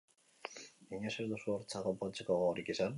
Inoiz ez duzu hortza konpontzeko gogorik izan?